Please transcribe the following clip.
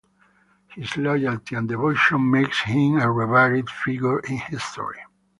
His loyalty and devotion makes him a revered figure in history.